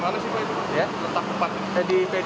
letak tempatnya di mana sih